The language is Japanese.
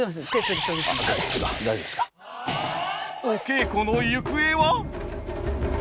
お稽古の行方は？